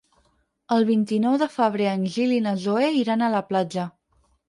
El vint-i-nou de febrer en Gil i na Zoè iran a la platja.